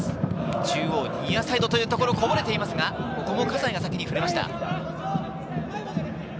中央、ニアサイドというところ、こぼれていますが、ここも葛西が先に触れました。